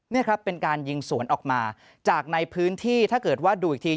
นี่ครับเป็นการยิงสวนออกมาจากในพื้นที่ถ้าเกิดว่าดูอีกที